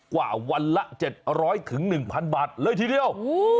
กว่าวันละ๗๐๐๑๐๐บาทเลยทีเดียว